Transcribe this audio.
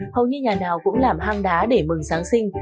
hầu như nhà nào cũng làm hang đá để mừng giáng sinh